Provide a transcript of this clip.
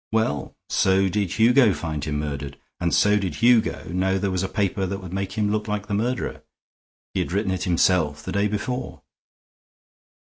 Well, so did Hugo find him murdered, and so did Hugo know there was a paper that would make him look like the murderer. He had written it himself the day before."